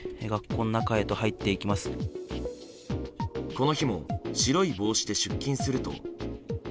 この日も白い帽子で出勤すると。